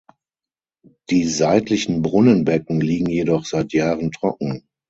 Die seitlichen Brunnenbecken liegen jedoch seit Jahren trocken.